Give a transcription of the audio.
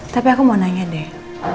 tapi aku mau nanya deh